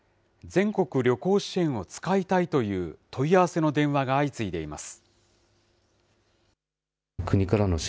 全国旅行支援を使いたいという問い合わせの電話が相次いでいます。